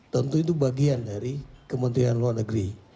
tentu itu bagian dari kementerian luar negeri